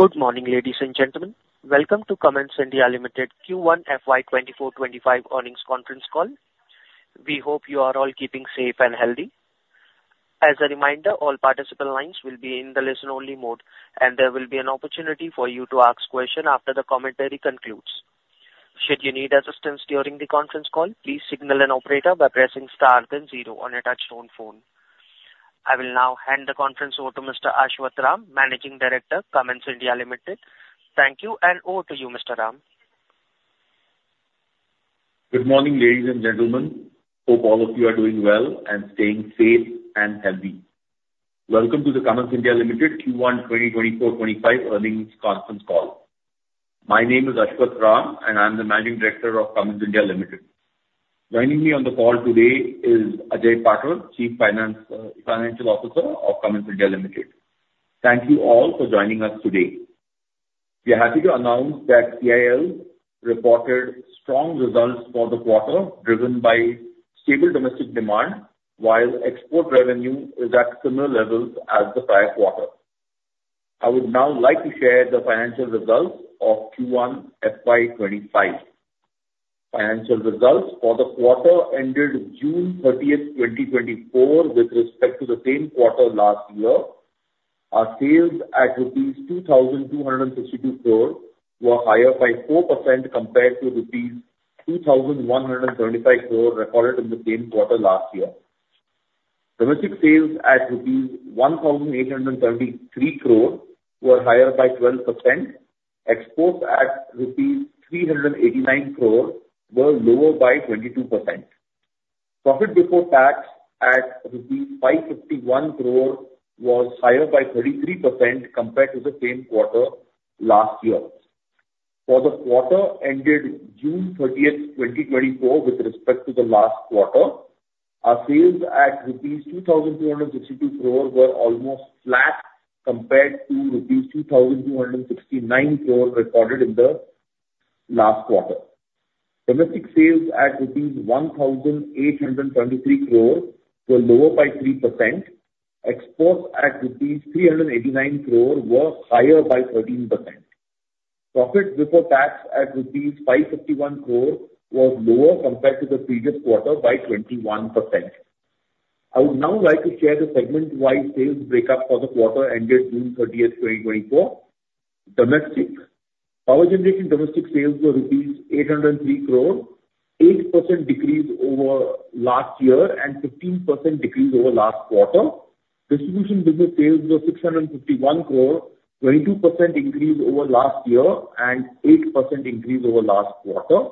Good morning, ladies and gentlemen. Welcome to Cummins India Limited Q1 FY 2024/2025 earnings conference call. We hope you are all keeping safe and healthy. As a reminder, all participant lines will be in the listen-only mode, and there will be an opportunity for you to ask questions after the commentary concludes. Should you need assistance during the conference call, please signal an operator by pressing star then zero on a touch-tone phone. I will now hand the conference over to Mr. Ashwath Ram, Managing Director, Cummins India Limited. Thank you, and over to you, Mr. Ram. Good morning, ladies and gentlemen. Hope all of you are doing well and staying safe and healthy. Welcome to the Cummins India Limited Q1 2024-25 earnings conference call. My name is Ashwath Ram, and I'm the Managing Director of Cummins India Limited. Joining me on the call today is Ajay Patil, Chief Financial Officer of Cummins India Limited. Thank you all for joining us today. We are happy to announce that CIL reported strong results for the quarter, driven by stable domestic demand, while export revenue is at similar levels as the prior quarter. I would now like to share the financial results of Q1 FY 2025. Financial results for the quarter ended June 30, 2024, with respect to the same quarter last year, our sales at rupees 2,262 crore were higher by 4% compared to rupees 2,125 crore recorded in the same quarter last year. Domestic sales at rupees 1,873 crore were higher by 12%. Exports at rupees 389 crore were lower by 22%. Profit before tax at rupees 551 crore was higher by 33% compared to the same quarter last year. For the quarter ended June 30, 2024, with respect to the last quarter, our sales at INR 2,262 crore were almost flat compared to INR 2,269 crore recorded in the last quarter. Domestic sales at INR 1,873 crore were lower by 3%. Exports at INR 389 crore were higher by 13%. Profit before tax at INR 551 crore was lower compared to the previous quarter by 21%. I would now like to share the segment-wide sales breakup for the quarter ended June 30, 2024. Domestic. Power generation domestic sales were rupees 803 crore, 8% decrease over last year and 15% decrease over last quarter. Distribution business sales were 651 crore, 22% increase over last year and 8% increase over last quarter.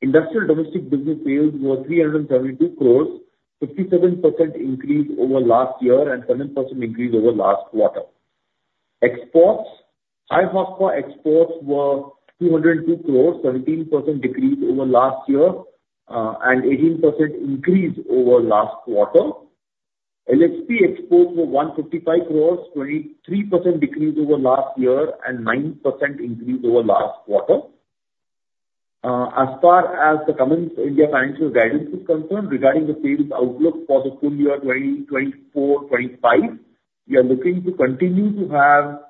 Industrial domestic business sales were 372 crore, 57% increase over last year and 7% increase over last quarter. Exports. High horsepower exports were 202 crores, 17% decrease over last year, and 18% increase over last quarter. LHP exports were 155 crores, 23% decrease over last year and 9% increase over last quarter. As far as the Cummins India financial guidance is concerned, regarding the sales outlook for the full year 2024-25, we are looking to continue to have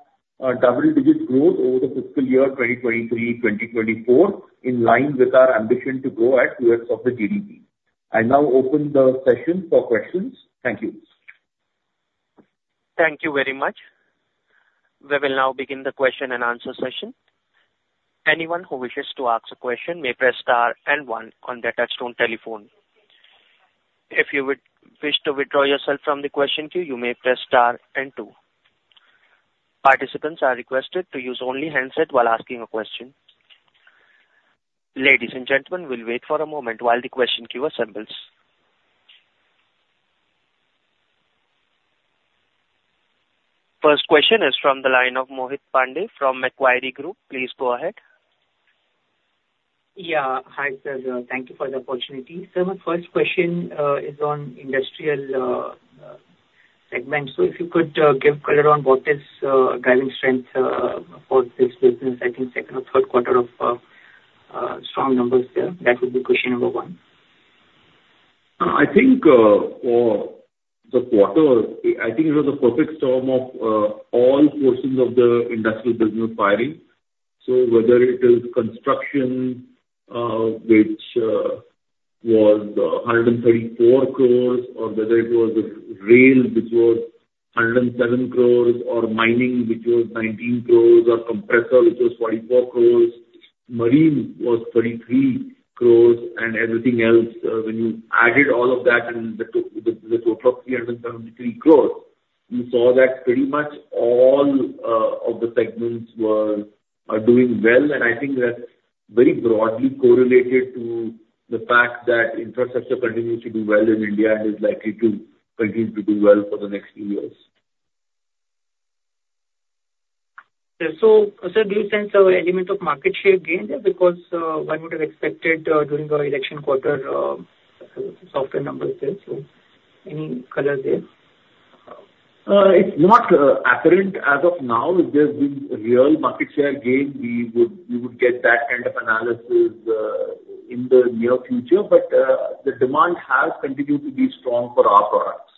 a double-digit growth over the fiscal year 2023-24, in line with our ambition to grow at two-thirds of the GDP. I now open the session for questions. Thank you. Thank you very much. We will now begin the question and answer session. Anyone who wishes to ask a question may press star and one on their touchtone telephone. If you would wish to withdraw yourself from the question queue, you may press star and two. Participants are requested to use only handset while asking a question. Ladies and gentlemen, we'll wait for a moment while the question queue assembles. First question is from the line of Mohit Pandey from Macquarie Group. Please go ahead. Yeah. Hi, sir. Thank you for the opportunity. Sir, my first question is on industrial segment. So if you could give color on what is driving strength for this business, I think second or third quarter of strong numbers there. That would be question number one. I think, for the quarter, I think it was a perfect storm of all portions of the industrial business firing. So whether it is construction, which was 134 crore, or whether it was rail, which was 107 crore, or mining, which was 19 crore, or compressor, which was 44 crore, marine was 33 crore, and everything else, when you added all of that and the total of 373 crore, you saw that pretty much all of the segments were, are doing well. And I think that's very broadly correlated to the fact that infrastructure continues to do well in India and is likely to continue to do well for the next few years. So, sir, do you sense an element of market share gain there? Because, one would have expected, during the election quarter, softer numbers there, so any color there? It's not apparent as of now. If there's been real market share gain, we would, we would get that kind of analysis in the near future, but the demand has continued to be strong for our products....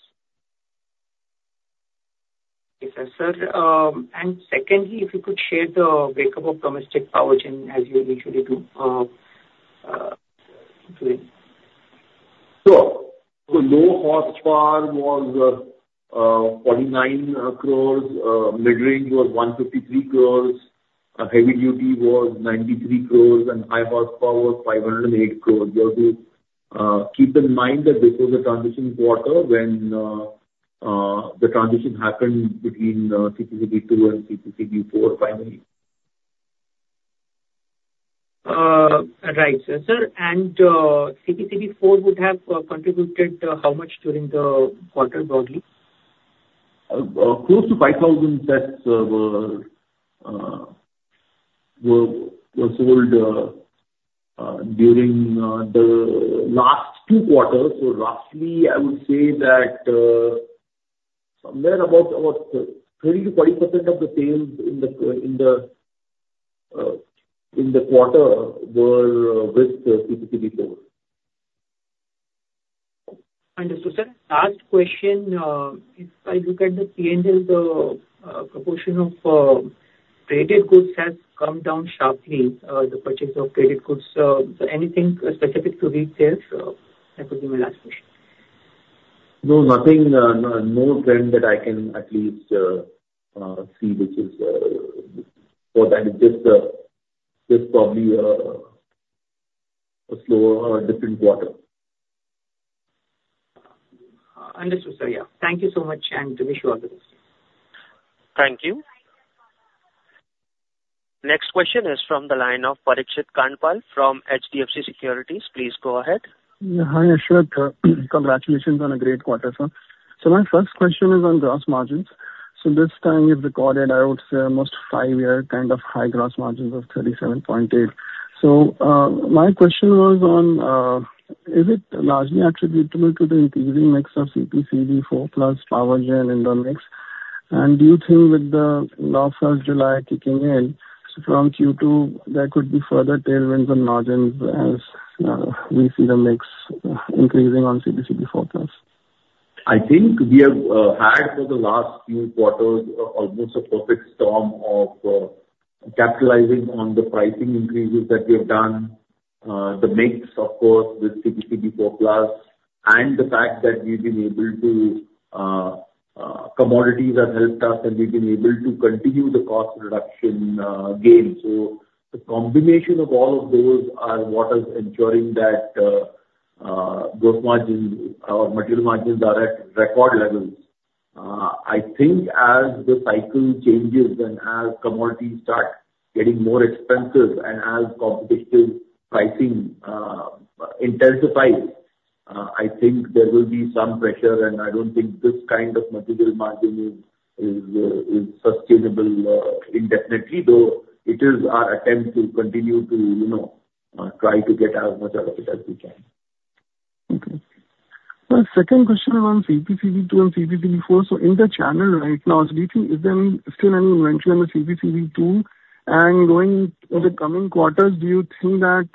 Sir, and secondly, if you could share the breakup of domestic power gen, as you usually do, today. So, the low horsepower was 49 crores, mid-range was 153 crores, heavy duty was 93 crores, and high horsepower was 508 crores. You have to keep in mind that this was a transition quarter when the transition happened between CPCB II and CPCB IV finally. Right, sir. Sir, and CPCB IV+ would have contributed how much during the quarter broadly? Close to 5,000 sets were sold during the last two quarters. So roughly, I would say that somewhere about 30%-40% of the sales in the quarter were with CPCB IV+. Understood, sir. Last question, if I look at the P&L, the proportion of traded goods has come down sharply, the purchase of traded goods. So anything specific to retail? So that would be my last question. No, nothing, no trend that I can at least see, which is more than just probably a slower, different quarter. Understood, sir. Yeah. Thank you so much, and wish you all the best. Thank you. Next question is from the line of Parikshit Kandpal from HDFC Securities. Please go ahead. Yeah. Hi, Ashwath. Congratulations on a great quarter, sir. So my first question is on gross margins. So this time you've recorded, I would say, almost five-year kind of high gross margins of 37.8%. So, my question was on, is it largely attributable to the increasing mix of CPCB IV+ power gen in the mix? And do you think with the law of July kicking in from Q2, there could be further tailwinds on margins as, we see the mix, increasing on CPCB IV+? I think we have had for the last few quarters almost a perfect storm of capitalizing on the pricing increases that we have done. The mix, of course, with CPCB IV+, and the fact that we've been able to commodities have helped us, and we've been able to continue the cost reduction gain. So the combination of all of those are what is ensuring that gross margins material margins are at record levels. I think as the cycle changes and as commodities start getting more expensive and as competitive pricing intensifies, I think there will be some pressure, and I don't think this kind of material margin is sustainable indefinitely, though it is our attempt to continue to you know try to get as much out of it as we can. Okay. My second question on CPCB II and CPCB IV+. So in the channel right now, do you think is there still any inventory in the CPCB II? And going in the coming quarters, do you think that...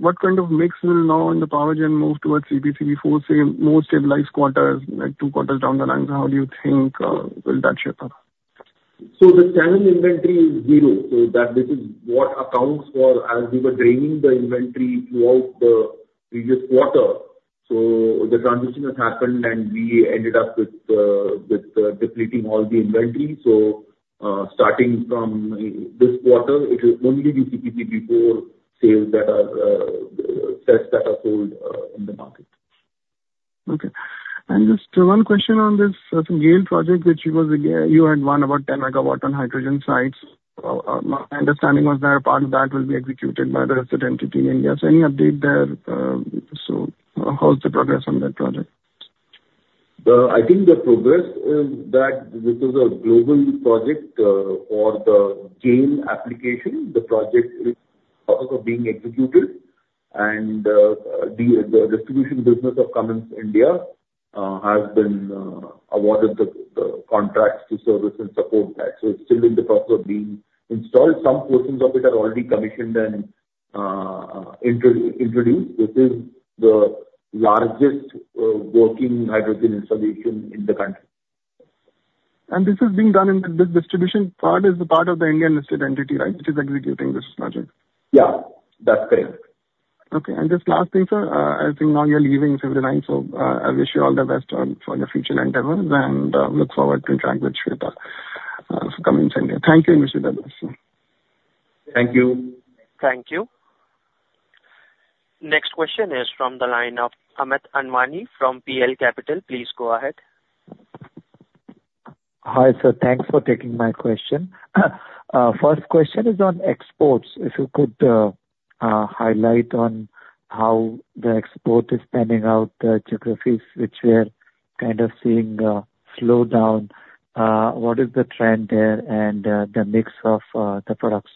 What kind of mix will now in the power gen move towards CPCB IV+, say, more stabilized quarters, like two quarters down the line? How do you think will that shape up? So the channel inventory is zero. So that, this is what accounts for as we were draining the inventory throughout the previous quarter, so the transition has happened, and we ended up with depleting all the inventory. So, starting from this quarter, it will only be CPCB IV+ sets that are sold in the market. Okay. And just one question on this, GAIL project, which was again, you had won about 10 MW on hydrogen sites. My understanding was that a part of that will be executed by the rest entity in India. So any update there? So, how's the progress on that project? I think the progress is that this is a global project for the GAIL application. The project is in the process of being executed, and the distribution business of Cummins India has been awarded the contract to service and support that. So it's still in the process of being installed. Some portions of it are already commissioned and introduced. This is the largest working hydrogen installation in the country. This is being done in the distribution part, which is the part of the Indian state entity, right? Which is executing this project. Yeah, that's correct. Okay, and just last thing, sir. I think now you're leaving February ninth, so, I wish you all the best on, for your future endeavors and, look forward to interact with Shveta, from Cummins India. Thank you, Mr. Dass. Thank you. Thank you. Next question is from the line of Amit Anwani from PL Capital. Please go ahead. Hi, sir. Thanks for taking my question. First question is on exports. If you could, highlight on how the export is panning out, the geographies which we are kind of seeing, slow down. What is the trend there and, the mix of, the products?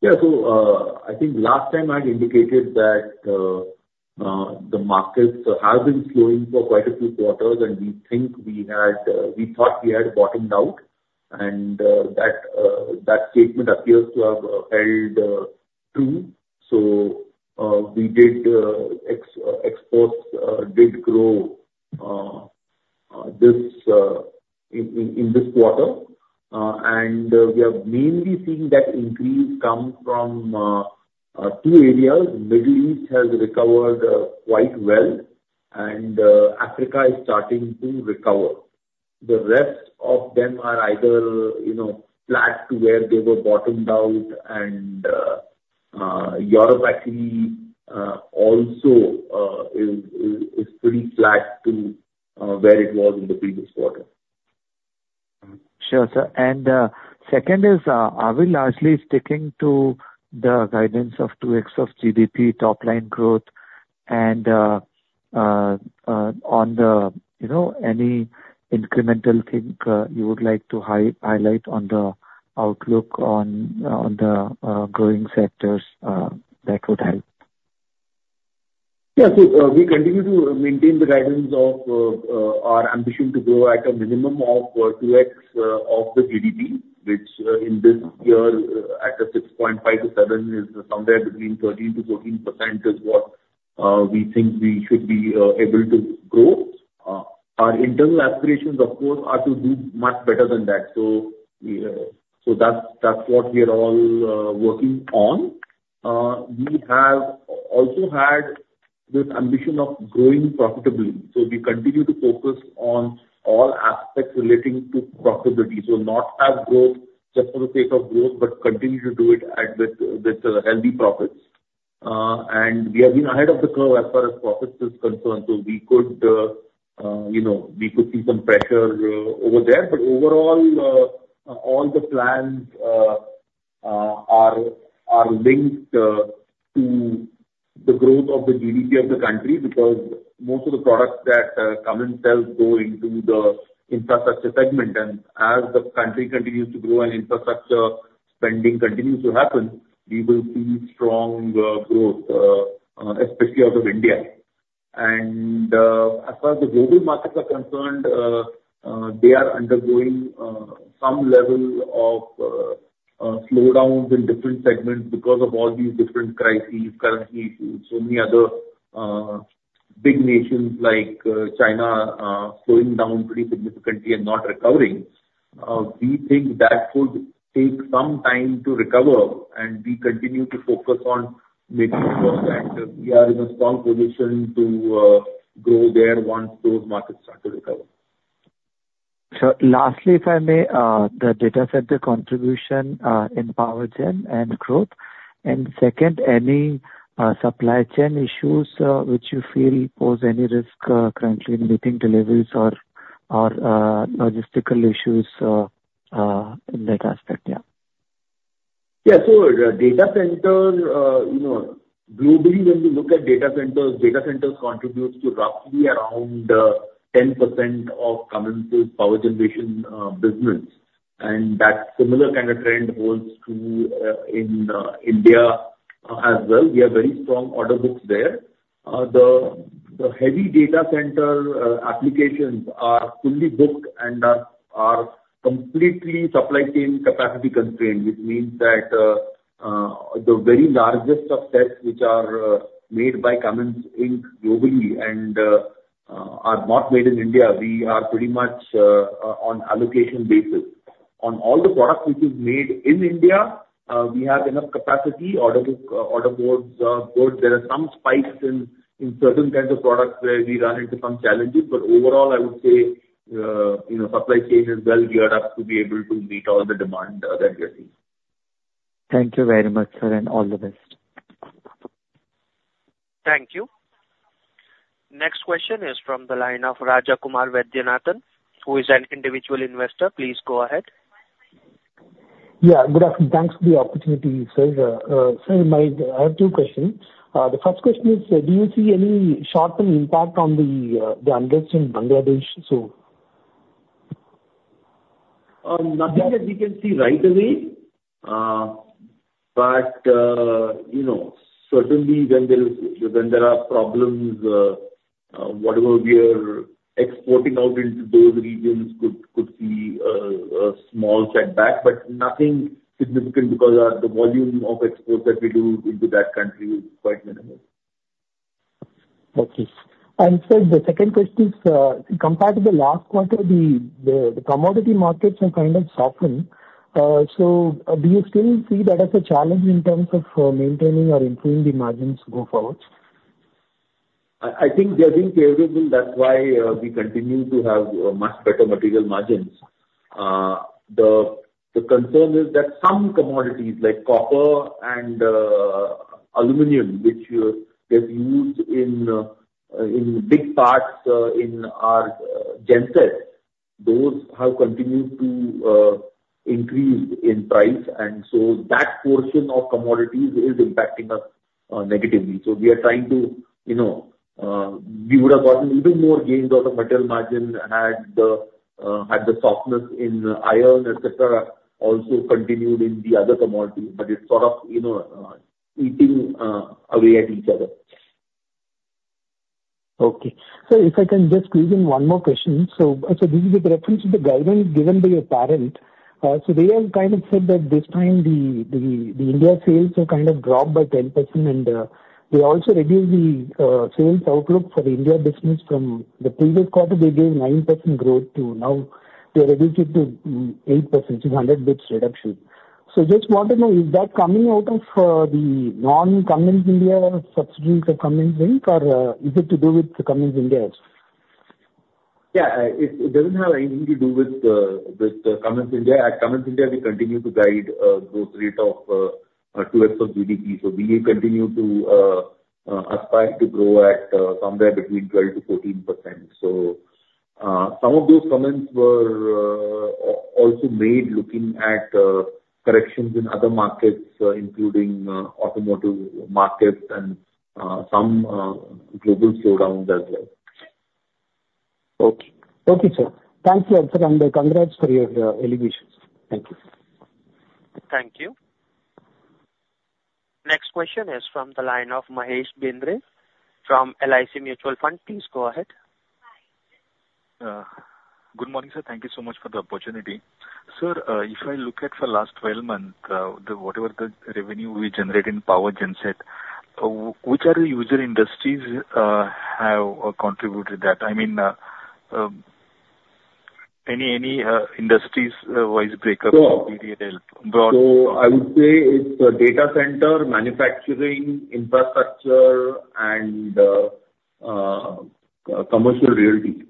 Yeah. So, I think last time I'd indicated that the markets have been slowing for quite a few quarters, and we think we had, we thought we had bottomed out... and that statement appears to have held true. So, we did exports did grow in this quarter. And we have mainly seen that increase come from two areas. Middle East has recovered quite well and Africa is starting to recover. The rest of them are either, you know, flat to where they were bottomed out, and Europe actually also is pretty flat to where it was in the previous quarter. Sure, sir. Second is, are we largely sticking to the guidance of 2x of GDP top line growth? On the, you know, any incremental thing, you would like to highlight on the outlook on the growing sectors, that would help? Yeah. So, we continue to maintain the guidance of our ambition to grow at a minimum of 2x of the GDP, which in this year at a 6.5-7, is somewhere between 13%-14%, is what we think we should be able to grow. Our internal aspirations, of course, are to do much better than that. So we, so that's what we are all working on. We have also had this ambition of growing profitably, so we continue to focus on all aspects relating to profitability. So not have growth just for the sake of growth, but continue to do it with healthy profits. We have been ahead of the curve as far as profits is concerned, so we could, you know, we could see some pressure over there. But overall, all the plans are linked to the growth of the GDP of the country. Because most of the products that Cummins sells go into the infrastructure segment, and as the country continues to grow and infrastructure spending continues to happen, we will see strong growth, especially out of India. And as far as the global markets are concerned, they are undergoing some level of slowdowns in different segments because of all these different crises, currency issues, so many other big nations like China slowing down pretty significantly and not recovering. We think that could take some time to recover, and we continue to focus on making we are in a strong position to grow there once those markets start to recover. So lastly, if I may, the data center contribution in power gen and growth, and second, any supply chain issues which you feel pose any risk currently in meeting deliveries or logistical issues in that aspect? Yeah. Yeah. So, data center, you know, globally, when you look at data centers, data centers contributes to roughly around 10% of Cummins' power generation business. And that similar kind of trend holds true in India as well. We have very strong order books there. The heavy data center applications are fully booked and are completely supply chain capacity constrained, which means that the very largest of sets, which are made by Cummins Inc. globally and are not made in India, we are pretty much on allocation basis. On all the products which is made in India, we have enough capacity, order book, order boards, board. There are some spikes in certain kinds of products where we run into some challenges, but overall, I would say, you know, supply chain is well geared up to be able to meet all the demand that we are seeing. Thank you very much, sir, and all the best. Thank you. Next question is from the line of Raja Kumar Vaidyanathan, who is an individual investor. Please go ahead. Yeah, good afternoon. Thanks for the opportunity, sir. So, I have two questions. The first question is: do you see any sharp impact on the unrest in Bangladesh? Nothing that we can see right away. But you know, certainly when there are problems, whatever we are exporting out into those regions could see a small setback, but nothing significant because the volume of exports that we do into that country is quite minimal. Okay. And sir, the second question is, compared to the last quarter, the commodity markets have kind of softened. So do you still see that as a challenge in terms of maintaining or improving the margins go forward? I think they're doing favorable, that's why we continue to have much better material margins. The concern is that some commodities like copper and aluminum, which get used in big parts in our gensets, those have continued to increase in price, and so that portion of commodities is impacting us negatively. So we are trying to, you know, we would have gotten even more gains out of material margin had the softness in iron, et cetera, also continued in the other commodities, but it's sort of, you know, eating away at each other.... Okay. So if I can just squeeze in one more question. So this is with reference to the guidance given by your parent. So they have kind of said that this time the India sales are kind of dropped by 10%, and they also reduced the sales outlook for the India business from the previous quarter. They gave 9% growth to now they reduced it to 8%, so 100 basis points reduction. So just want to know, is that coming out of the non-Cummins India substitutes of Cummins Inc., or is it to do with the Cummins India also? Yeah, it doesn't have anything to do with Cummins India. At Cummins India, we continue to guide a growth rate of twice GDP. So we continue to aspire to grow at somewhere between 12%-14%. So, some of those comments were also made looking at corrections in other markets, including automotive markets and some global slowdowns as well. Okay. Okay, sir. Thank you, and congrats for your elevations. Thank you. Thank you. Next question is from the line of Mahesh Bendre from LIC Mutual Fund. Please go ahead. Good morning, sir. Thank you so much for the opportunity. Sir, if I look at the last 12 months, whatever revenue we generate in power genset, which are the user industries, have contributed that? I mean, any industries-wise breakup- Sure. Would be a help, broad. So I would say it's the data center, manufacturing, infrastructure, and commercial realty.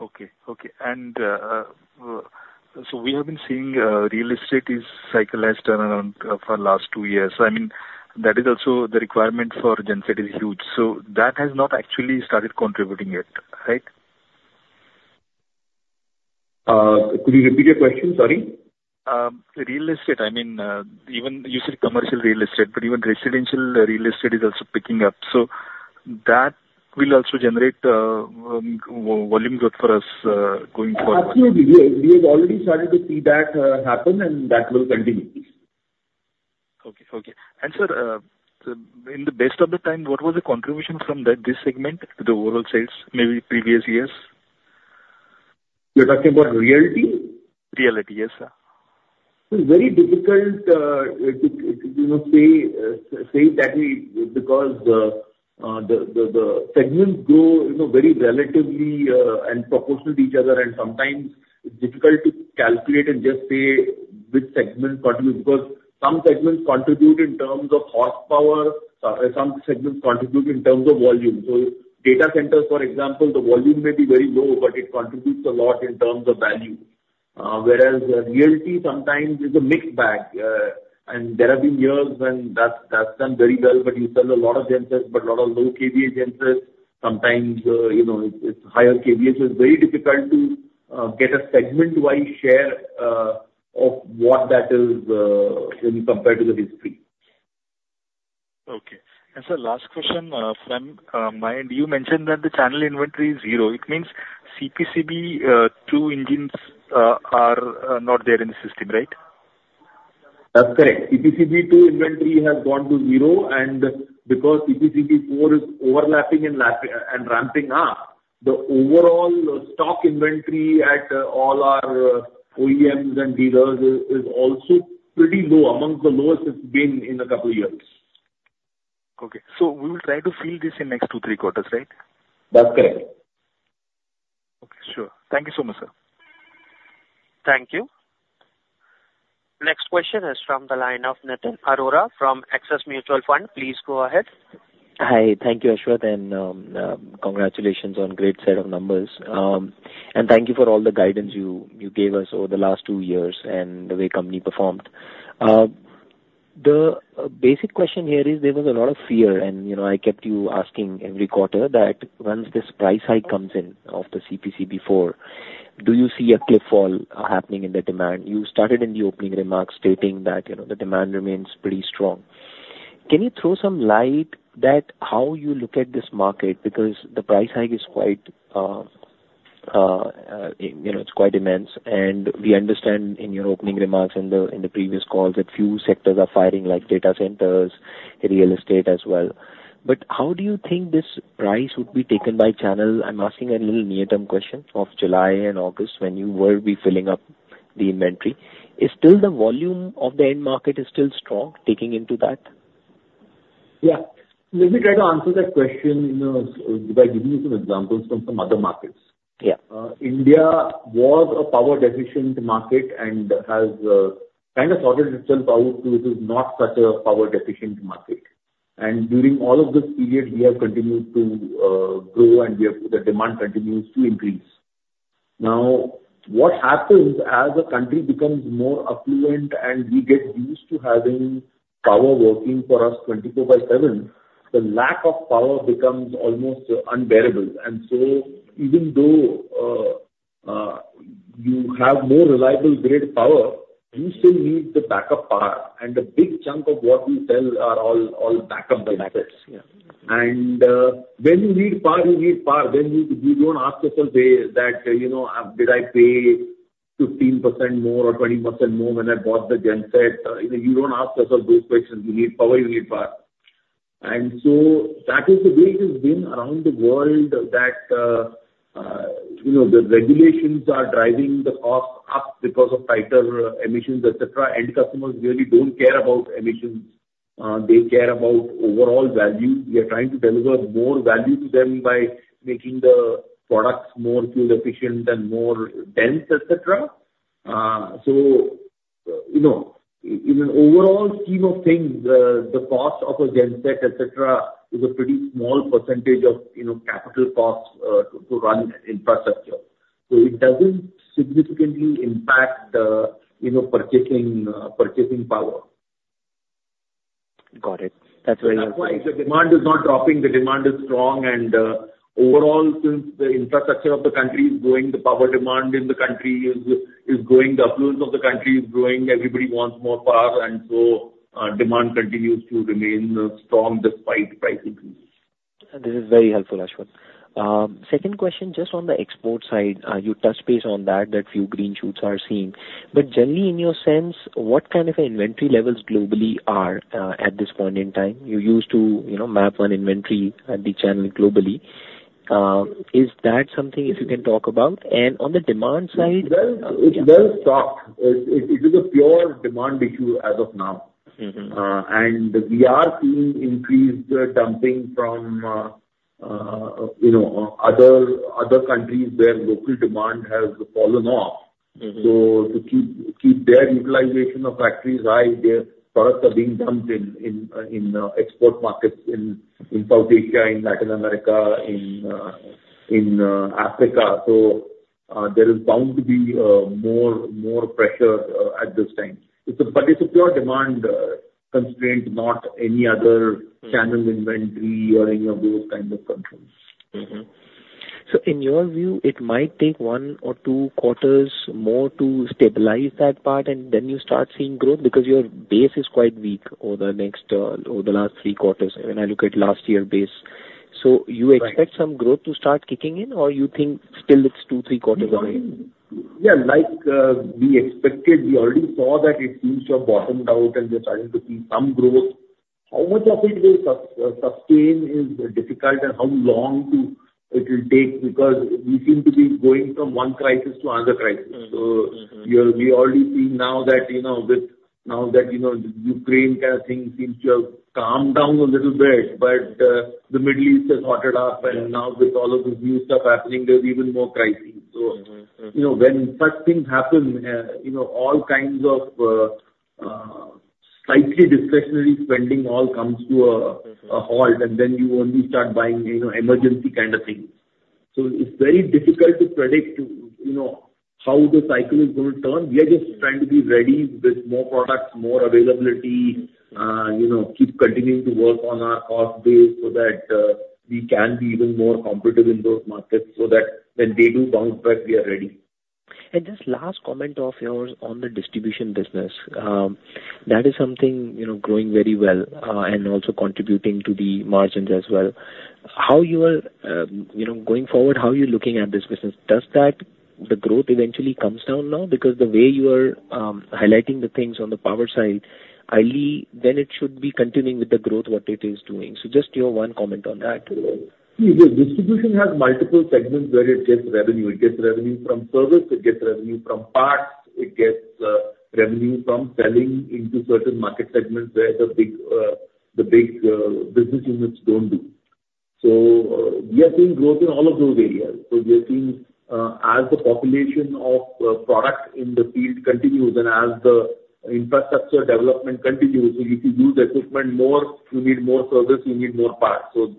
Okay, okay. And so we have been seeing real estate is cyclical has turned around for the last two years. So I mean, that is also the requirement for genset is huge. So that has not actually started contributing yet, right? Could you repeat your question? Sorry. Real estate, I mean, even you said commercial real estate, but even residential real estate is also picking up. So that will also generate volume growth for us, going forward. Absolutely. We have already started to see that happen and that will continue. Okay, okay. And sir, so in the best of the time, what was the contribution from that, this segment to the overall sales, maybe previous years? You're talking about realty? Realty, yes, sir. It's very difficult to you know say that we because the segments grow you know very relatively and proportional to each other, and sometimes it's difficult to calculate and just say which segment contributes. Because some segments contribute in terms of horsepower, some segments contribute in terms of volume. So data centers, for example, the volume may be very low, but it contributes a lot in terms of value. Whereas realty sometimes is a mixed bag, and there have been years when that's done very well, but you sell a lot of gensets, but a lot of low kVA gensets. Sometimes it's higher kVA. So it's very difficult to get a segment-wide share of what that is when compared to the history. Okay. And sir, last question, from my end. You mentioned that the channel inventory is zero. It means CPCB II engines are not there in the system, right? That's correct. CPCB two inventory has gone to 0, and because CPCB four is overlapping and ramping up, the overall stock inventory at all our OEMs and dealers is also pretty low, among the lowest it's been in a couple years. Okay. We will try to fill this in next 2, 3 quarters, right? That's correct. Okay, sure. Thank you so much, sir. Thank you. Next question is from the line of Nitin Arora from Axis Mutual Fund. Please go ahead. Hi. Thank you, Ashwath, and congratulations on great set of numbers. And thank you for all the guidance you gave us over the last two years and the way company performed. The basic question here is, there was a lot of fear, and, you know, I kept you asking every quarter that once this price hike comes in, of the CPCB IV+, do you see a cliff fall happening in the demand? You started in the opening remarks stating that, you know, the demand remains pretty strong. Can you throw some light that how you look at this market? Because the price hike is quite, you know, it's quite immense, and we understand in your opening remarks in the previous calls, that few sectors are firing, like data centers and real estate as well. How do you think this price would be taken by channel? I'm asking a little near-term question of July and August when you will be filling up the inventory. Is still the volume of the end market is still strong, taking into that? Yeah. Let me try to answer that question, you know, by giving you some examples from some other markets. Yeah. India was a power-deficient market and has kind of sorted itself out to this is not such a power-deficient market. And during all of this period, we have continued to grow, and the demand continues to increase. Now, what happens as a country becomes more affluent and we get used to having power working for us 24 by 7, the lack of power becomes almost unbearable. And so even though you have more reliable grid power, you still need the backup power. And a big chunk of what we sell are all backup gensets. Yeah. When you need power, you need power. Then you don't ask yourself that, you know, did I pay 15% more or 20% more when I bought the genset. You know, you don't ask us all those questions. You need power, you need power. And so that is the way it's been around the world, that, you know, the regulations are driving the cost up because of tighter emissions, et cetera. End customers really don't care about emissions. They care about overall value. We are trying to deliver more value to them by making the products more fuel efficient and more dense, et cetera. So, you know, in an overall scheme of things, the cost of a genset, et cetera, is a pretty small percentage of, you know, capital costs to run infrastructure. It doesn't significantly impact the, you know, purchasing power. Got it. That's very helpful. That's why the demand is not dropping, the demand is strong. Overall, since the infrastructure of the country is growing, the power demand in the country is growing, the uploads of the country is growing, everybody wants more power, and so, demand continues to remain strong despite price increase. This is very helpful, Ashwin. Second question, just on the export side, you touched base on that, that few green shoots are seen. But generally, in your sense, what kind of inventory levels globally are at this point in time? You used to, you know, map on inventory at the channel globally. Is that something you can talk about? And on the demand side- Well, it's well stocked. It is a pure demand issue as of now. Mm-hmm. We are seeing increased dumping from, you know, other countries where local demand has fallen off. Mm-hmm. So to keep their utilization of factories high, their products are being dumped in export markets, in South Asia, in Latin America, in Africa. So, there is bound to be more pressure at this time. But it's a pure demand constraint, not any other- Mm... channel inventory or any of those kind of constraints. Mm-hmm. So in your view, it might take one or two quarters more to stabilize that part, and then you start seeing growth because your base is quite weak over the next, over the last three quarters, when I look at last year base. Right. You expect some growth to start kicking in, or you think still it's 2, 3 quarters away? Yeah, like, we expected, we already saw that it seems to have bottomed out, and we're starting to see some growth. How much of it will sustain is difficult, and how long it will take, because we seem to be going from one crisis to another crisis. Mm-hmm, mm-hmm. We're already seeing now that, you know, now that, you know, Ukraine kind of thing seems to have calmed down a little bit, but the Middle East has heated up, and now with all of this new stuff happening, there's even more crises. Mm-hmm, mm. So, you know, when such things happen, you know, all kinds of slightly discretionary spending all comes to a- Mm-hmm... a halt, and then you only start buying, you know, emergency kind of things. So it's very difficult to predict, you know, how the cycle is gonna turn. Mm. We are just trying to be ready with more products, more availability, you know, keep continuing to work on our cost base so that we can be even more competitive in those markets, so that when they do bounce back, we are ready. Just last comment of yours on the distribution business. That is something, you know, growing very well, and also contributing to the margins as well. How you are, you know, going forward, how are you looking at this business? Does that, the growth eventually comes down now? Because the way you are highlighting the things on the power side, highly, then it should be continuing with the growth, what it is doing. So just your one comment on that. See, the distribution has multiple segments where it gets revenue. It gets revenue from service, it gets revenue from parts, it gets revenue from selling into certain market segments where the big, the big, business units don't do. So we are seeing growth in all of those areas. So we are seeing, as the population of, products in the field continues and as the infrastructure development continues, so if you use the equipment more, you need more service, you need more parts. So,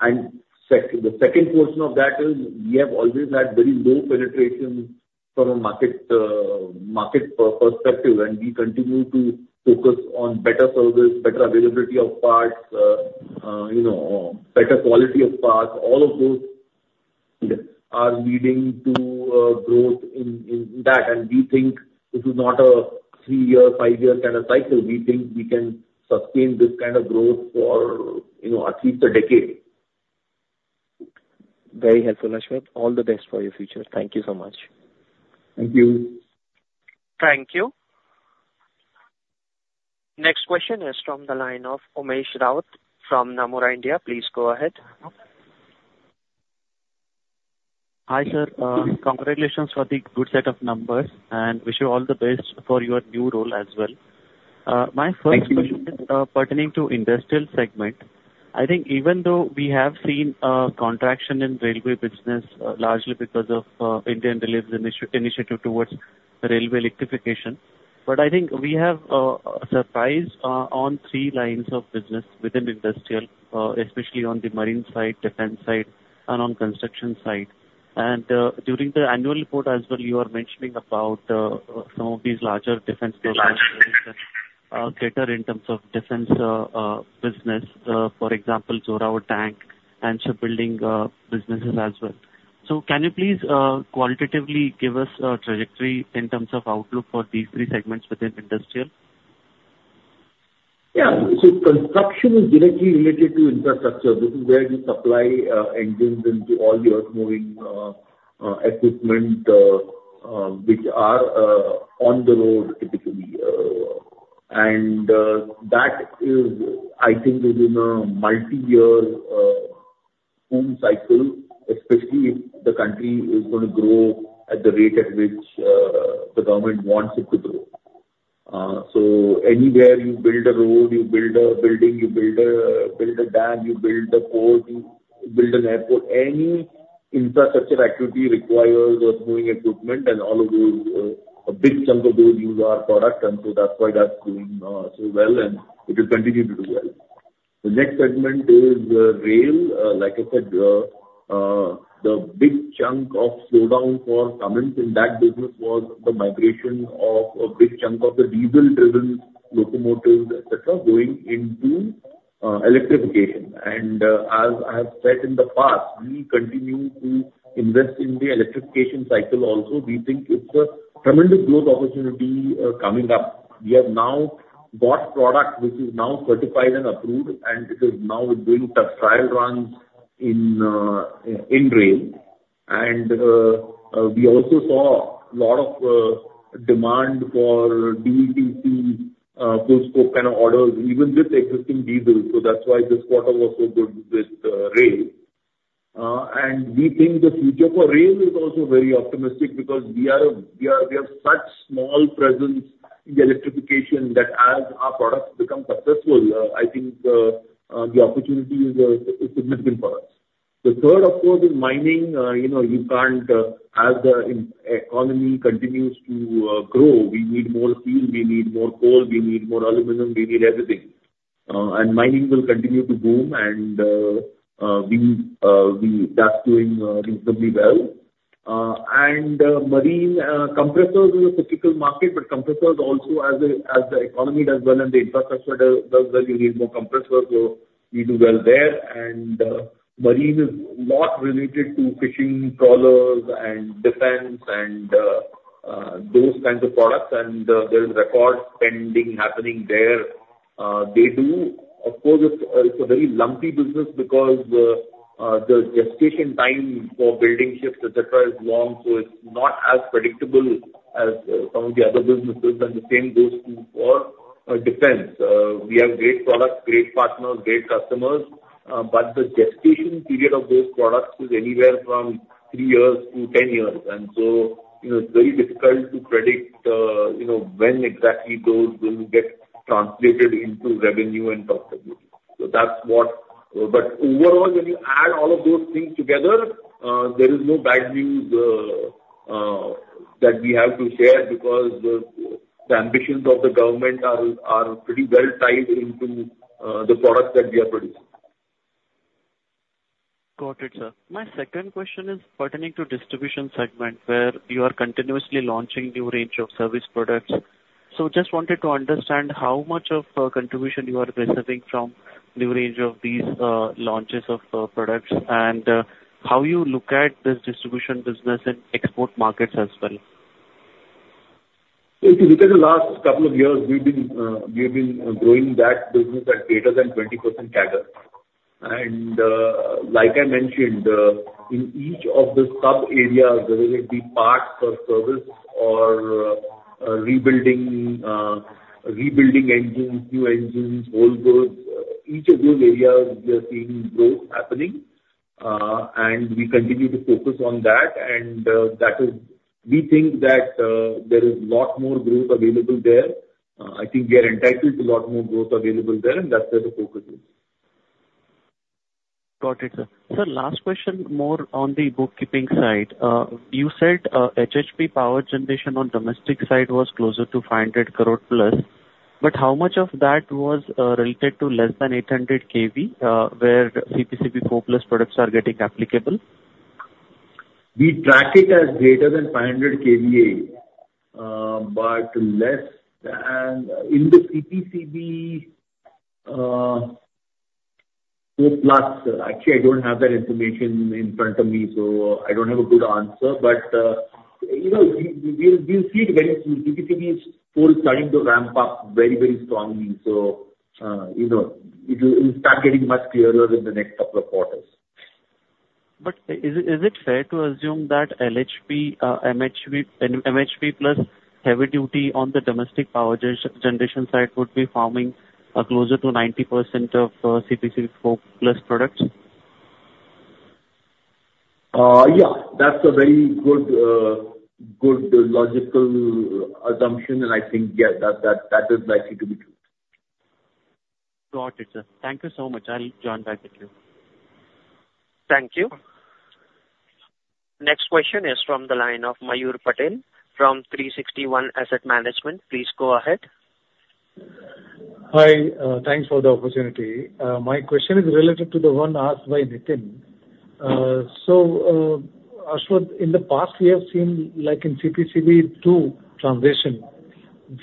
and the second portion of that is we have always had very low penetration from a market, market perspective, and we continue to focus on better service, better availability of parts, you know, better quality of parts. All of those are leading to growth in that, and we think this is not a three-year, five-year kind of cycle. We think we can sustain this kind of growth for, you know, at least a decade. Very helpful, Ashwin. All the best for your future. Thank you so much. Thank you. Thank you. Next question is from the line of Umesh Raut from Nomura India. Please go ahead. Hi, sir. Congratulations for the good set of numbers, and wish you all the best for your new role as well. Thank you. My first question is pertaining to industrial segment. I think even though we have seen a contraction in railway business, largely because of Indian Railways initiative towards railway electrification, but I think we have surprised on three lines of business within industrial, especially on the marine side, defense side, and on construction side. During the annual report as well, you are mentioning about some of these larger defense projects, greater in terms of defense business, for example, Zorawar Tank and shipbuilding businesses as well. So can you please qualitatively give us a trajectory in terms of outlook for these three segments within industrial?... Yeah, so construction is directly related to infrastructure. This is where you supply engines into all the earthmoving equipment which are on the road, typically. And that is, I think, is in a multi-year boom cycle, especially if the country is gonna grow at the rate at which the government wants it to grow. So anywhere you build a road, you build a building, you build a dam, you build a port, you build an airport, any infrastructure activity requires earthmoving equipment, and all of those a big chunk of those use our product, and so that's why that's doing so well, and it will continue to do well. The next segment is rail. Like I said, the big chunk of slowdown for Cummins in that business was the migration of a big chunk of the diesel-driven locomotives, et cetera, going into electrification. And as I have said in the past, we continue to invest in the electrification cycle also. We think it's a tremendous growth opportunity coming up. We have now got product which is now certified and approved, and it is now doing trial runs in rail. And we also saw a lot of demand for DETC full scope kind of orders, even with existing diesel, so that's why this quarter was so good with rail. And we think the future for rail is also very optimistic because we are, we are, we have such small presence in the electrification, that as our products become successful, I think, the opportunity is significant for us. The third, of course, is mining. You know, you can't, as the economy continues to grow, we need more steel, we need more coal, we need more aluminum, we need everything. And mining will continue to boom, and, we, we, that's doing reasonably well. And, marine, compressors is a cyclical market, but compressors also as the, as the economy does well and the infrastructure does well, you need more compressors, so we do well there. Marine is a lot related to fishing trawlers and defense and, those kinds of products, and, there is record spending happening there. Of course, it's a very lumpy business because, the gestation time for building ships, et cetera, is long, so it's not as predictable as, some of the other businesses, and the same goes for, defense. We have great products, great partners, great customers, but the gestation period of those products is anywhere from three years to 10 years. And so, you know, it's very difficult to predict, you know, when exactly those will get translated into revenue and profitability. So that's what... But overall, when you add all of those things together, there is no bad news that we have to share, because the ambitions of the government are pretty well tied into the products that we are producing. Got it, sir. My second question is pertaining to distribution segment, where you are continuously launching new range of service products. So just wanted to understand how much of contribution you are receiving from new range of these launches of products, and how you look at this distribution business in export markets as well? If you look at the last couple of years, we've been, we have been growing that business at greater than 20% CAGR. And, like I mentioned, in each of the sub-areas, whether it be parts or service or, rebuilding, rebuilding engines, new engines, overhauls, each of those areas we are seeing growth happening, and we continue to focus on that, and, that is, we think that, there is lot more growth available there. I think we are entitled to lot more growth available there, and that's where the focus is. Got it, sir. Sir, last question, more on the bookkeeping side. You said, HHP power generation on domestic side was closer to 500 crore+, but how much of that was related to less than 800 kVA, where CPCB IV+ products are getting applicable? We track it as greater than 500 kVA, but less than in the CPCB IV+. Actually, I don't have that information in front of me, so I don't have a good answer. But, you know, we, we, we'll see it very soon. CPCB IV+ is starting to ramp up very, very strongly. So, you know, it will, it'll start getting much clearer in the next couple of quarters. But is it fair to assume that LHP, MHP, MHP plus heavy duty on the domestic power generation side would be forming closer to 90% of CPCB four plus products? Yeah, that's a very good, good logical assumption, and I think, yeah, that, that, that is likely to be true. Got it, sir. Thank you so much. I'll join back with you. Thank you. Next question is from the line of Mayur Patel from 360 ONE Asset Management. Please go ahead. Hi, thanks for the opportunity. My question is related to the one asked by Nitin. So, Ashok, in the past we have seen, like in CPCB II transition,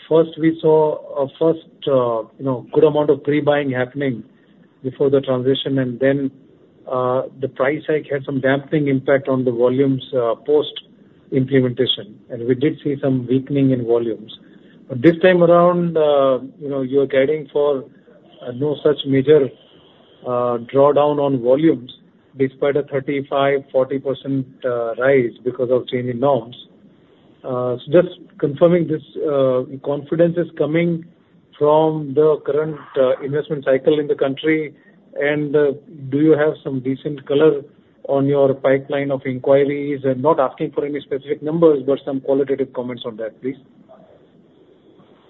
first we saw a, you know, good amount of pre-buying happening before the transition, and then, the price hike had some dampening impact on the volumes, post implementation, and we did see some weakening in volumes. But this time around, you know, you are guiding for, no such major, drawdown on volumes despite a 35-40% rise because of change in norms. So just confirming this, confidence is coming from the current, investment cycle in the country, and, do you have some decent color on your pipeline of inquiries? I'm not asking for any specific numbers, but some qualitative comments on that, please.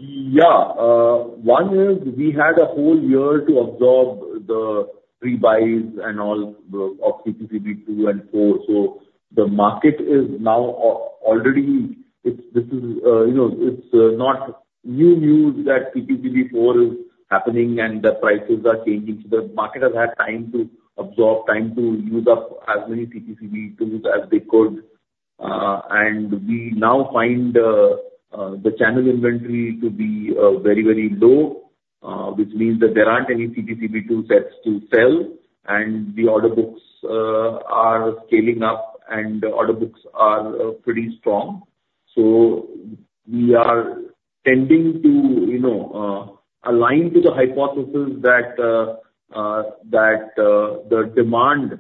Yeah. One is we had a whole year to absorb the pre-buys and all the of CPCB 2 and 4. So the market is now already, it's, this is, you know, it's not new news that CPCB 4 is happening and the prices are changing. So the market has had time to absorb, time to use up as many CPCB 2s as they could. And we now find the channel inventory to be very, very low, which means that there aren't any CPCB 2 sets to sell, and the order books are scaling up, and the order books are pretty strong. So we are tending to, you know, align to the hypothesis that that the demand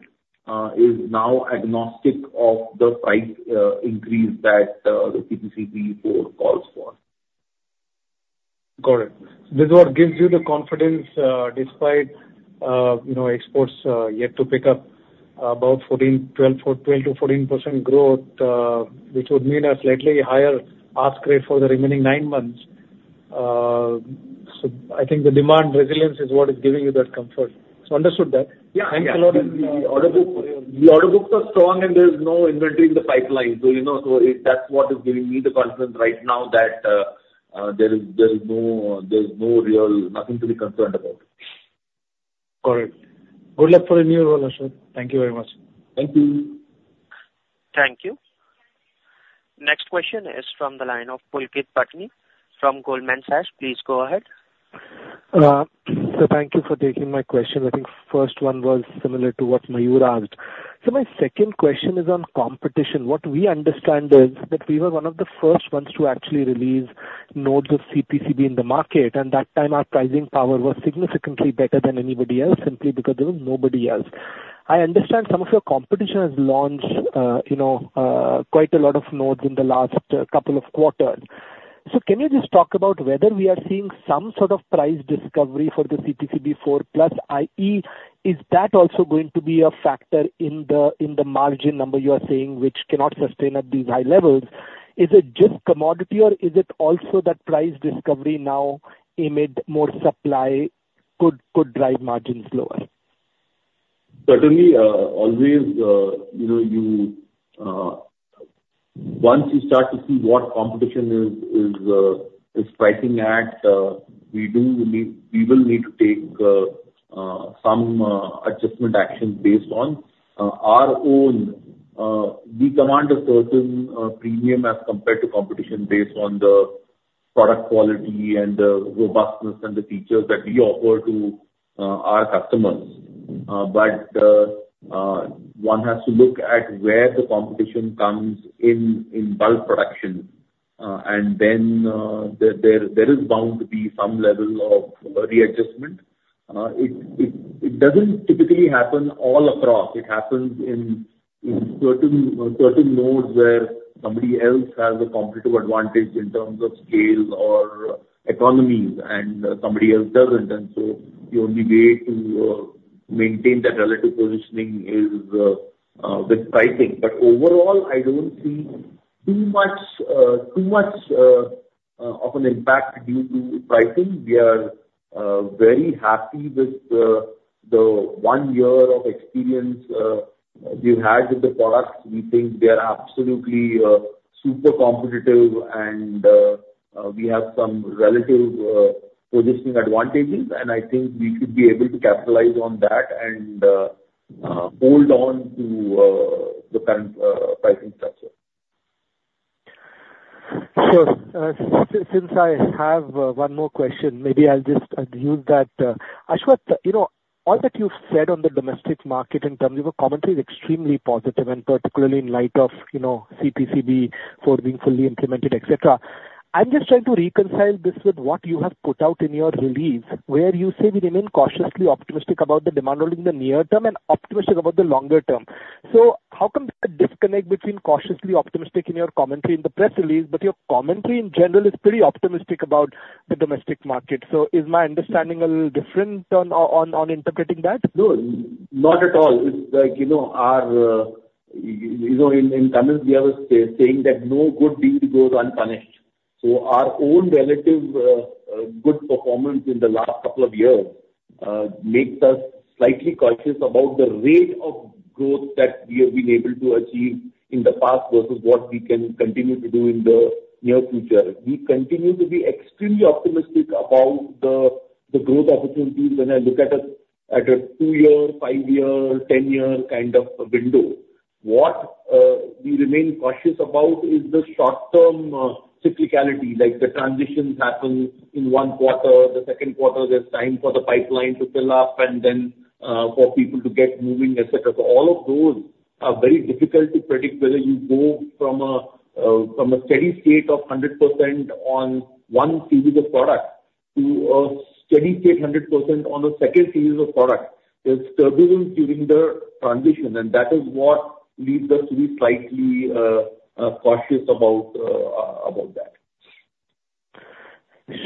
is now agnostic of the price increase that the CPCB 4 calls for. Got it. This is what gives you the confidence, despite, you know, exports yet to pick up about 14, 12 point, 12 to 14% growth, which would mean a slightly higher ask rate for the remaining nine months. So I think the demand resilience is what is giving you that comfort. So understood that. Yeah. Thanks a lot and, The order book, the order books are strong, and there is no inventory in the pipeline. So, you know, so it, that's what is giving me the confidence right now that, there is, there is no, there's no real nothing to be concerned about. Got it. Good luck for your new role, Ashwin. Thank you very much. Thank you. Thank you. Next question is from the line of Pulkit Patni from Goldman Sachs. Please go ahead. So thank you for taking my question. I think first one was similar to what Mayur asked. So my second question is on competition. What we understand is that we were one of the first ones to actually release nodes of CPCB in the market, and that time our pricing power was significantly better than anybody else, simply because there was nobody else. I understand some of your competition has launched, you know, quite a lot of nodes in the last couple of quarters. So can you just talk about whether we are seeing some sort of price discovery for the CPCB four plus, i.e., is that also going to be a factor in the margin number you are saying, which cannot sustain at these high levels? Is it just commodity, or is it also that price discovery now amid more supply could drive margins lower? Certainly, always, you know, you, once you start to see what competition is pricing at, we do need, we will need to take some adjustment action based on our own, we command a certain premium as compared to competition based on the product quality and the robustness and the features that we offer to our customers. But one has to look at where the competition comes in, in bulk production, and then, there is bound to be some level of readjustment. It doesn't typically happen all across. It happens in certain nodes where somebody else has a competitive advantage in terms of scale or economies and somebody else doesn't. And so the only way to maintain that relative positioning is with pricing. But overall, I don't see too much of an impact due to pricing. We are very happy with the one year of experience we've had with the products. We think we are absolutely super competitive and we have some relative positioning advantages, and I think we should be able to capitalize on that and hold on to the current pricing structure. So, since I have one more question, maybe I'll just use that. Ashwath, you know, all that you've said on the domestic market in terms of your commentary is extremely positive, and particularly in light of, you know, CPCB 4 being fully implemented, et cetera. I'm just trying to reconcile this with what you have put out in your release, where you say you remain cautiously optimistic about the demand only in the near term and optimistic about the longer term. So how come there's a disconnect between cautiously optimistic in your commentary in the press release, but your commentary in general is pretty optimistic about the domestic market? So is my understanding a little different on interpreting that? No, not at all. It's like, you know, our, you know, in Tamil, we have a saying that no good deed goes unpunished. So our own relative, good performance in the last couple of years, makes us slightly cautious about the rate of growth that we have been able to achieve in the past versus what we can continue to do in the near future. We continue to be extremely optimistic about the growth opportunities when I look at a two-year, five-year, ten-year kind of window. What we remain cautious about is the short-term cyclicality, like the transitions happen in Q1. The Q2, there's time for the pipeline to fill up and then, for people to get moving, et cetera. So all of those are very difficult to predict, whether you go from a, from a steady state of 100% on one series of products to a steady state 100% on the second series of products. There's turbulence during the transition, and that is what leads us to be slightly cautious about that.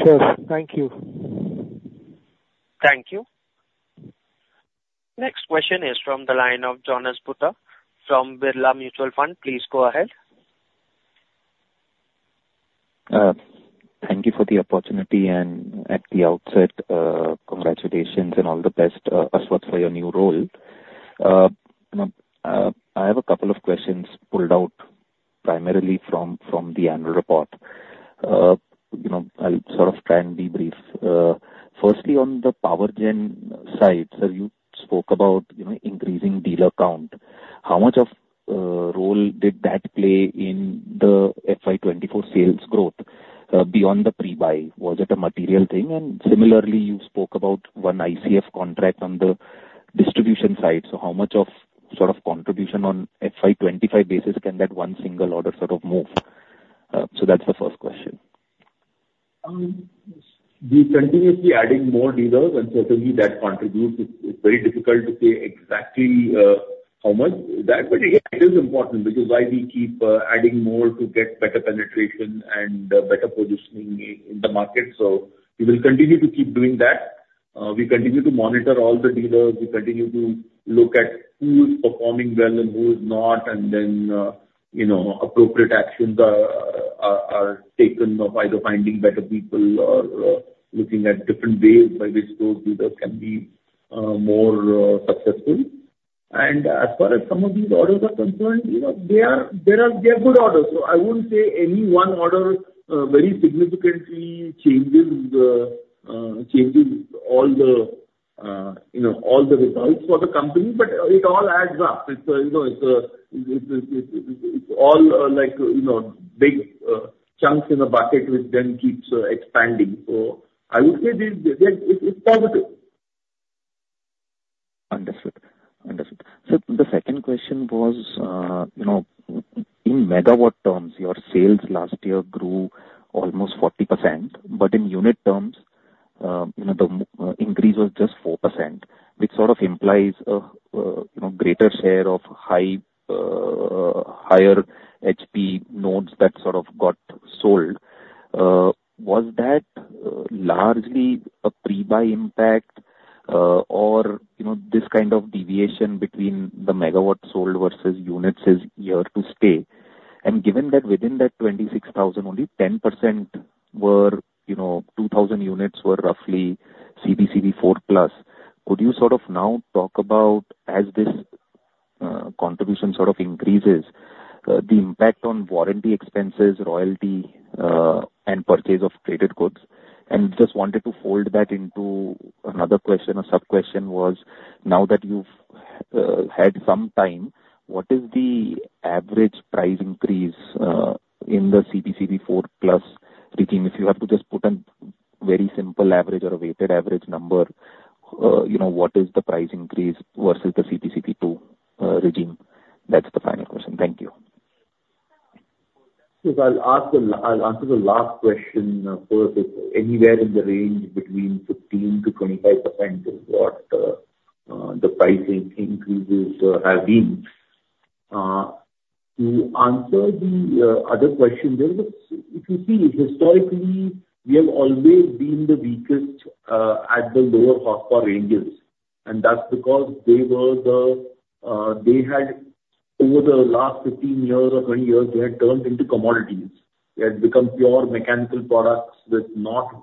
Sure. Thank you. Thank you. Next question is from the line of Jonas Bhutta from Birla Mutual Fund. Please go ahead. Thank you for the opportunity, and at the outset, congratulations and all the best, Ashwath, for your new role. You know, I have a couple of questions pulled out primarily from the annual report. You know, I'll sort of try and be brief. Firstly, on the power gen side, so you spoke about, you know, increasing dealer count. How much of a role did that play in the FY 2024 sales growth, beyond the pre-buy? Was it a material thing? And similarly, you spoke about one ICF contract on the distribution side. So how much of a sort of contribution on FY 2025 basis can that one single order sort of move? So that's the first question. We're continuously adding more dealers, and certainly that contributes. It's very difficult to say exactly how much that, but yeah, it is important, which is why we keep adding more to get better penetration and better positioning in the market. So we will continue to keep doing that. We continue to monitor all the dealers. We continue to look at who is performing well and who is not, and then you know, appropriate actions are taken of either finding better people or looking at different ways by which those dealers can be more successful. As far as some of these orders are concerned, you know, they are good orders, so I wouldn't say any one order very significantly changes all the, you know, all the results for the company, but it all adds up. It's, you know, it's all, like, you know, big chunks in a bucket, which then keeps expanding. So I would say this, yeah, it's positive. Understood. Understood. So the second question was, you know, in megawatt terms, your sales last year grew almost 40%, but in unit terms, you know, the increase was just 4%. Which sort of implies a, you know, greater share of higher HP nodes that sort of got sold. Was that largely a pre-buy impact, or, you know, this kind of deviation between the megawatts sold versus units is here to stay? And given that within that 26,000, only 10% were, you know, 2,000 units were roughly CPCB IV+, could you sort of now talk about, as this contribution sort of increases, the impact on warranty expenses, royalty, and purchase of traded goods? Just wanted to fold that into another question or sub-question was, now that you've had some time, what is the average price increase in the CPCB IV+ regime? If you have to just put a very simple average or a weighted average number, you know, what is the price increase versus the CPCB 2 regime? That's the final question. Thank you. So I'll answer the last question first. It's anywhere in the range between 15%-25% is what the pricing increases have been. To answer the other question, there is a—if you see historically, we have always been the weakest at the lower horsepower ranges, and that's because they had over the last 15 years or 20 years, they had turned into commodities. They had become pure mechanical products with not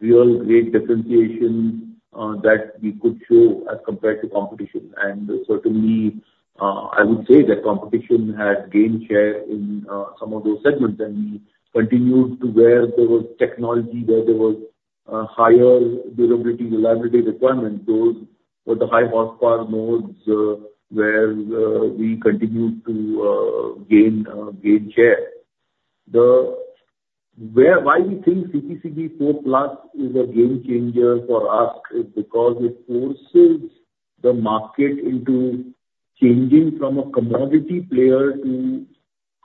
real great differentiation that we could show as compared to competition. And certainly, I would say that competition had gained share in some of those segments, and we continued to where there was technology, where there was higher durability, reliability requirements, those were the high horsepower modes where we continued to gain share. The... Where, why we think CPCB IV+ is a game changer for us is because it forces the market into changing from a commodity player to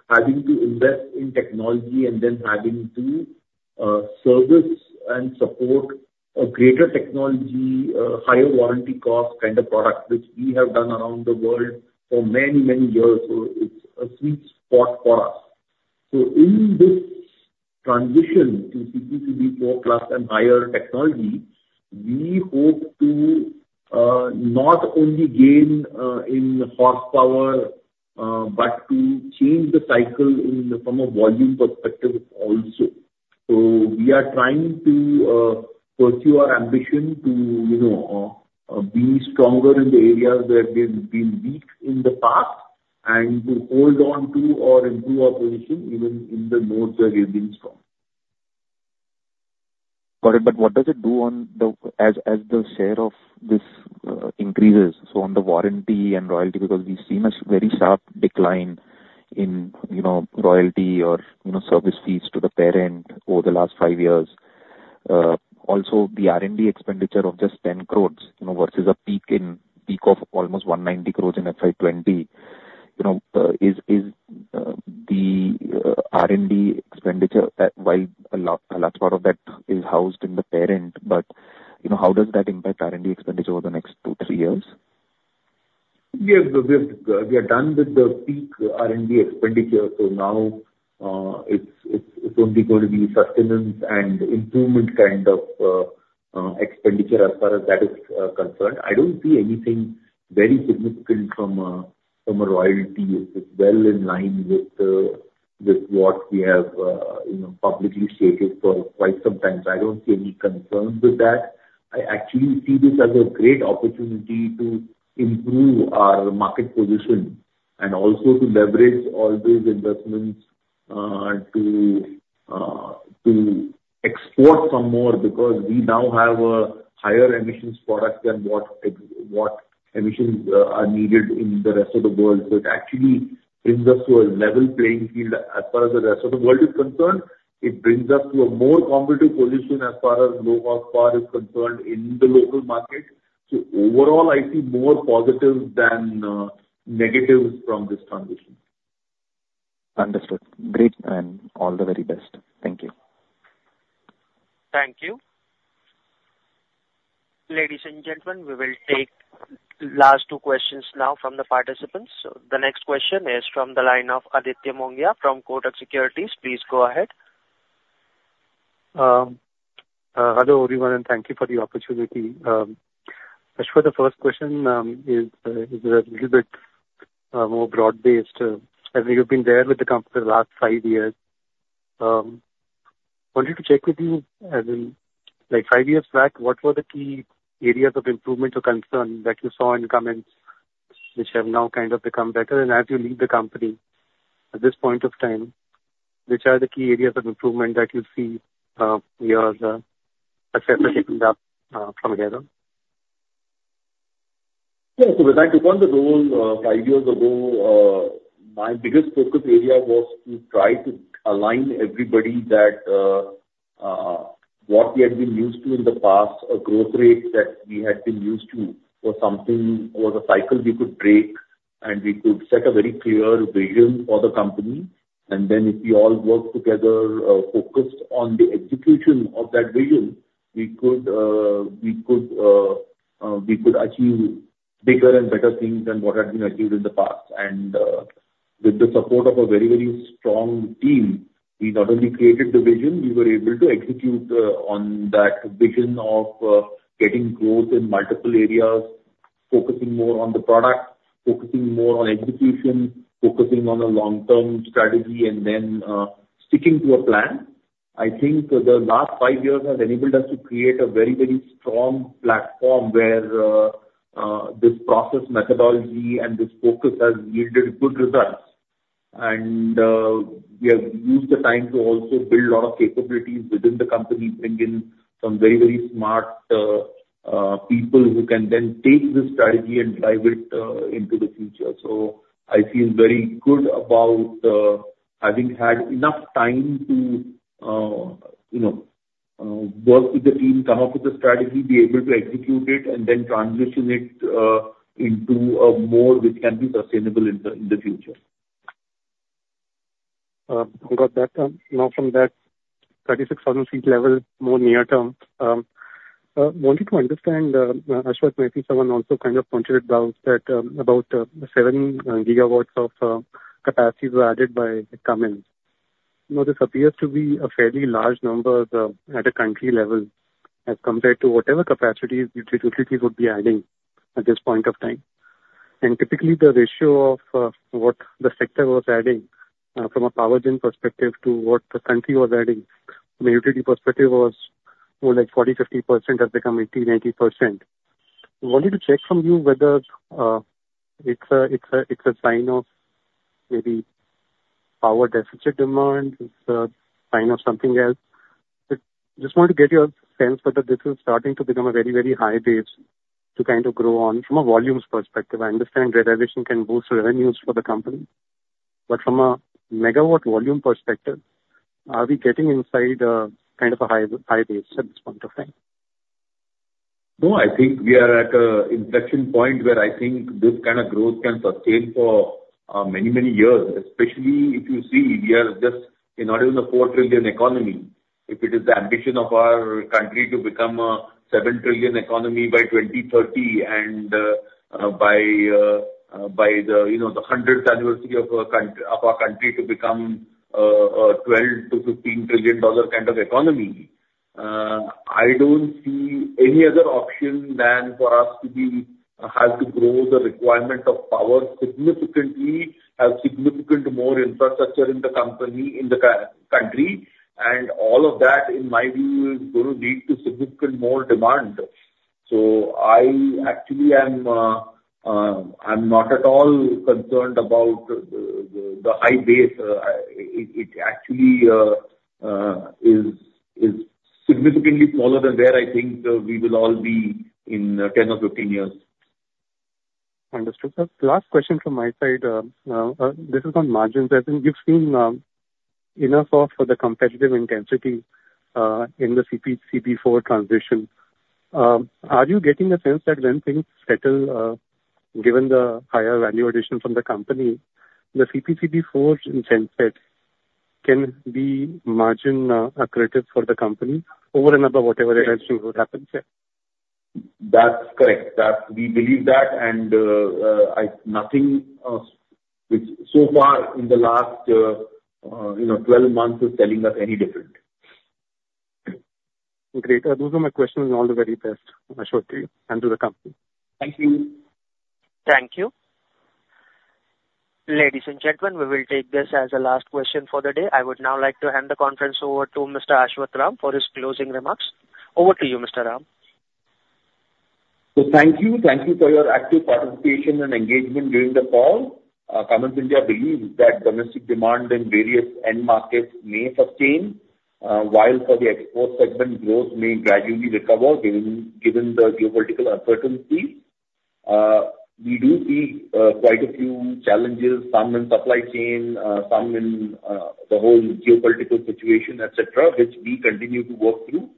having to invest in technology and then having to, service and support a greater technology, higher warranty cost kind of product, which we have done around the world for many, many years. So it's a sweet spot for us. So in this transition to CPCB IV+ class and higher technology, we hope to, not only gain, in horsepower, but to change the cycle in, from a volume perspective also. So we are trying to, pursue our ambition to, you know, be stronger in the areas where we've been weak in the past and to hold on to or improve our position even in the modes where we've been strong. Got it. But what does it do on the, as the share of this increases, so on the warranty and royalty? Because we've seen a very sharp decline in, you know, royalty or, you know, service fees to the parent over the last five years. Also the R&D expenditure of just 10 crore, you know, versus a peak of almost 190 crore in FY 2020. You know, is the R&D expenditure, while a large part of that is housed in the parent, but, you know, how does that impact R&D expenditure over the next two, three years? We have we are done with the peak R&D expenditure, so now it's only going to be sustenance and improvement kind of expenditure as far as that is concerned. I don't see anything very significant from from a royalty. It's well in line with with what we have you know publicly stated for quite some time. So I don't see any concerns with that. I actually see this as a great opportunity to improve our market position and also to leverage all those investments to to export some more. Because we now have a higher emissions product than what what emissions are needed in the rest of the world. So it actually brings us to a level playing field as far as the rest of the world is concerned. It brings us to a more competitive position as far as low power is concerned in the local market. So overall, I see more positives than negatives from this transition. Understood. Great and all the very best. Thank you. Thank you. Ladies and gentlemen, we will take last two questions now from the participants. So the next question is from the line of Aditya Mongia from Kotak Securities. Please go ahead. Hello, everyone, and thank you for the opportunity. As for the first question, it is a little bit more broad-based. As you've been there with the company for the last five years, wanted to check with you, as in, like five years back, what were the key areas of improvement or concern that you saw in the comments, which have now kind of become better? And as you leave the company, at this point of time, which are the key areas of improvement that you see here as everything up from here on? Yeah. So when I took on the role, five years ago, my biggest focus area was to try to align everybody that, what we had been used to in the past, a growth rate that we had been used to was something or the cycle we could break, and we could set a very clear vision for the company. And then if we all work together, focused on the execution of that vision, we could, we could, we could achieve bigger and better things than what had been achieved in the past. With the support of a very, very strong team, we not only created the vision, we were able to execute on that vision of getting growth in multiple areas, focusing more on the product, focusing more on execution, focusing on a long-term strategy, and then sticking to a plan. I think the last five years has enabled us to create a very, very strong platform where this process methodology and this focus has yielded good results. We have used the time to also build a lot of capabilities within the company, bring in some very, very smart people who can then take this strategy and drive it into the future. So I feel very good about having had enough time to, you know, work with the team, come up with a strategy, be able to execute it, and then transition it into a mode which can be sustainable in the future. Got that. Now, from that 36,000 feet level, more near-term, wanted to understand, Ashok, maybe someone also kind of pointed it out, that, about, 7 gigawatts of, capacity were added by Cummins. You know, this appears to be a fairly large number, at a country level as compared to whatever capacity utility would be adding at this point of time. And typically, the ratio of, what the sector was adding, from a power gen perspective to what the country was adding from a utility perspective was more like 40%-50% has become 80%-90%. Wanted to check from you whether, it's a, it's a, it's a sign of maybe power deficit demand, it's a sign of something else. But just want to get your sense whether this is starting to become a very, very high base to kind of grow on from a volumes perspective. I understand realization can boost revenues for the company, but from a megawatt volume perspective, are we getting inside, kind of a high, high base at this point of time? No, I think we are at an inflection point where I think this kind of growth can sustain for many, many years. Especially if you see, we are just not even a $4 trillion economy. If it is the ambition of our country to become a $7 trillion economy by 2030 and by the you know, the hundredth anniversary of our country to become a $12-$15 trillion dollar kind of economy, I don't see any other option than for us to have to grow the requirement of power significantly, have significant more infrastructure in the country. And all of that, in my view, is going to lead to significant more demand. So I actually am, I'm not at all concerned about the high base. It actually is significantly smaller than where I think we will all be in 10 or 15 years. Understood. Sir, last question from my side, this is on margins. I think you've seen enough of for the competitive intensity in the CPCB, CPCB IV+ transition. Are you getting a sense that when things settle, given the higher value addition from the company, the CPCB IV+ in sense it can be margin accretive for the company over and above whatever it is happens there? That's correct. That we believe that, and nothing which so far in the last, you know, 12 months is telling us any different. Great. Those are my questions, and all the very best, Ashwath, and to the company. Thank you. Thank you. Ladies and gentlemen, we will take this as the last question for the day. I would now like to hand the conference over to Mr. Ashwath Ram for his closing remarks. Over to you, Mr. Ram. So thank you. Thank you for your active participation and engagement during the call. Cummins India believes that domestic demand in various end markets may sustain, while for the export segment, growth may gradually recover given, given the geopolitical uncertainty. We do see quite a few challenges, some in supply chain, some in the whole geopolitical situation, et cetera, which we continue to work through.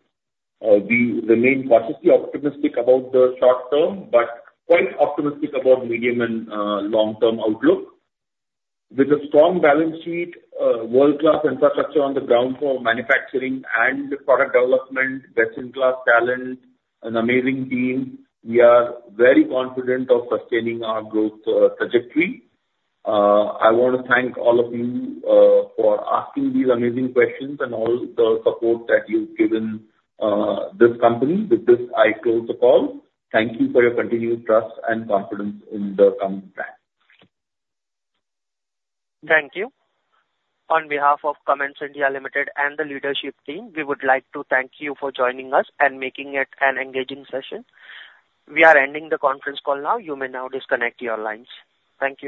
We remain cautiously optimistic about the short term, but quite optimistic about medium and long-term outlook. With a strong balance sheet, world-class infrastructure on the ground for manufacturing and product development, best-in-class talent, an amazing team, we are very confident of sustaining our growth trajectory. I want to thank all of you for asking these amazing questions and all the support that you've given this company. With this, I close the call. Thank you for your continued trust and confidence in the Cummins. Thank you. On behalf of Cummins India Limited and the leadership team, we would like to thank you for joining us and making it an engaging session. We are ending the conference call now. You may now disconnect your lines. Thank you.